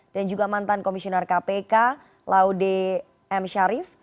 dan juga mantan komisioner kpk laude m syarif